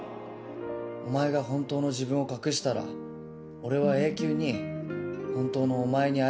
「お前が本当の自分を隠したら俺は永久に本当のお前に会えないってことだろ？」